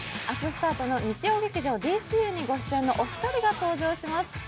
明日スタートの日曜劇場「ＤＣＵ」にご出演のお二人が登場します。